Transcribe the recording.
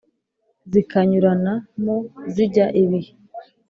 zikànyurana mo zijya ibihe